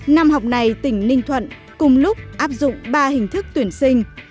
năm học này tỉnh ninh thuận cùng lúc áp dụng ba hình thức tuyển sinh